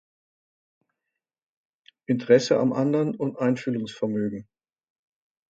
Interesse am anderen und Einfühlungsvermögen.